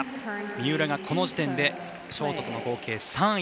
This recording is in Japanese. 三浦がこの時点でショートとの合計３位。